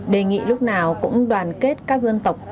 đề nghị lúc nào cũng đoàn kết các dân tộc